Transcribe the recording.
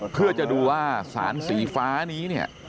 เพื่อจะดูว่าสารสีฟ้านี้เนี่ย